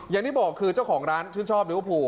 อย่างที่บอกคือเจ้าของร้านชื่นชอบลิเวอร์พูล